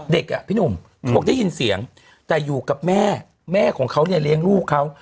อ่ะพี่หนุ่มเขาบอกได้ยินเสียงแต่อยู่กับแม่แม่ของเขาเนี่ยเลี้ยงลูกเขา